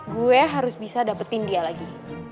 gue harus bisa dapetin dia lagi